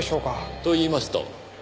と言いますと？